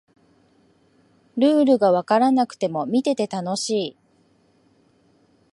ルールがわからなくても見てて楽しい